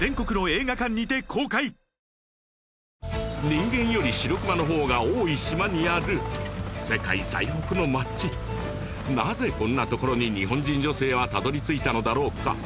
人間よりシロクマの方が多い島にある世界最北の町なぜこんなところに日本人女性はたどり着いたのだろうか？